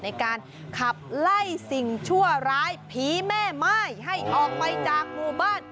ในการขับไล่สิ่งชั่วร้ายผีแม่ม่ายให้ออกไปจากหมู่บ้าน